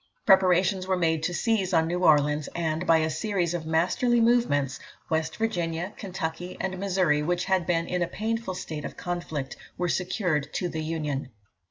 Preparations were made to seize on New Orleans; and, by a series of masterly movements, West Virginia, Kentucky, and Missouri, which had been in a painful state of conflict, were secured to the Union.